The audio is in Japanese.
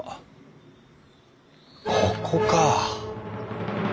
ここか。